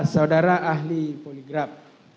saudara ahli poligraf